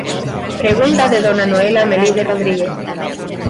Pregunta de dona Noela Melide Rodríguez.